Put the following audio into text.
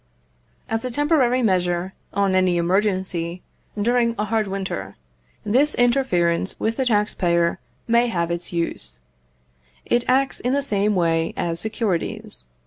As a temporary measure, on any emergency, during a hard winter, this interference with the tax payers may have its use. It acts in the same way as securities.